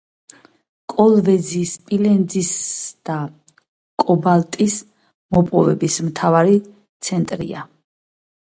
კოლვეზი სპილენძის და კობალტის მოპოვების მთავარი ცენტრია.